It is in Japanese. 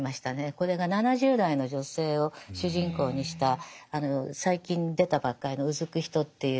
これが７０代の女性を主人公にした最近出たばっかりの「疼くひと」っていう。